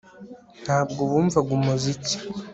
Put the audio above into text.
Ntabwo bumvaga umuziki